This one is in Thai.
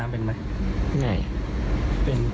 เป็น